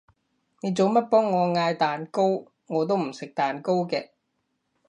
你做乜幫我嗌蛋糕？我都唔食蛋糕嘅